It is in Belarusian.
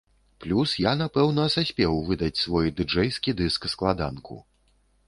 Плюс, я напэўна саспеў выдаць свой дыджэйскі дыск-складанку.